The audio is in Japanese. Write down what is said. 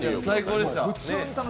最高でした。